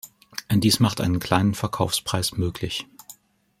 Dies macht einen kleinen Verkaufspreis möglich.